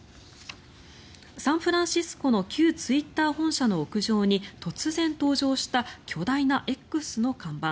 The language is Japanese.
サンフランシスコの旧ツイッター本社の屋上に突然登場した巨大なＸの看板。